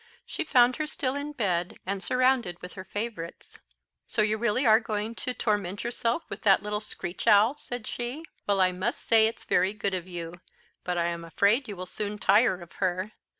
She found her still in bed, and surrounded with her favourites. "So you really are going to torment yourself with that little screech owl?" said she. "Well, I must say it's very good of you; but I am afraid you will soon tire of her.